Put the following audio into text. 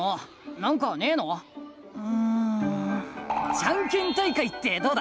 ジャンケン大会ってどうだ？